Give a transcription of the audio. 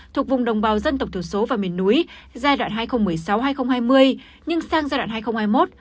thuộc vùng đồng bào dân tộc thiểu số và miền núi giai đoạn hai nghìn một mươi sáu hai nghìn hai mươi nhưng sang giai đoạn hai nghìn hai mươi một hai nghìn hai mươi năm